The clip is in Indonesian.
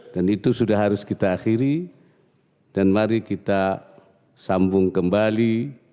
dan itu sudah harus kita akhiri dan mari kita sambung kembali